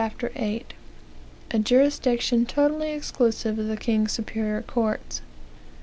8,) a jurisdicton totally exclusive of the king's superior courts.